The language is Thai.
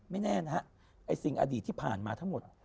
ไม่แน่นะฮะไอ้สิ่งอดีตที่ผ่านมาทั้งหมด